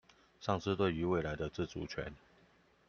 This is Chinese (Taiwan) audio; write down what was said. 喪失對於未來的自主權